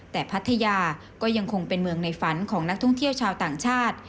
แต่พัทยาก็ยังคงเป็นเมืองในฝันของนักท่องเที่ยวชาวต่างชาติ